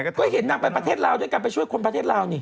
ก็เห็นนางไปประเทศลาวด้วยกันไปช่วยคนประเทศลาวนี่